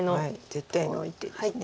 絶対の一手です。